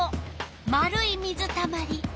丸い水たまり。